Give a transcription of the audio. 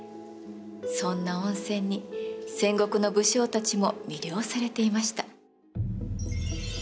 そんな温泉に戦国の武将たちも魅了されていました。